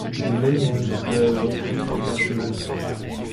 De nombreuses œuvres sont inachevées.